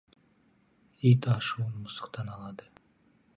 Ит ашуын мысықтан алады.